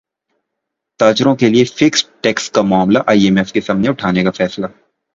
تاجروں کیلئے fixed tax کا معاملہ ائی ایم ایف کے سامنے اٹھانے کا فیصلہ